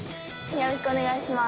よろしくお願いします。